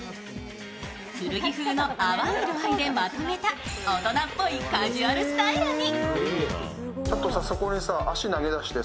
古着風の淡い色合いでまとめた大人っぽいカジュアルスタイルに。